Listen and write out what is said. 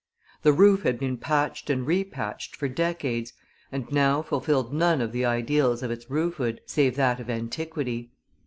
The roof had been patched and repatched for decades, and now fulfilled none of the ideals of its roofhood save that of antiquity.